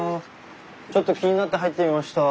ちょっと気になって入ってみました。